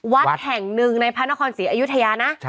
วัดแห่งหนึ่งในพระนครศรีอยุธยานะ